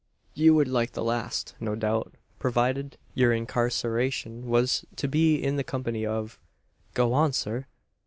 "You would like the last, no doubt provided your incarceration was to be in the company of " "Go on, sir!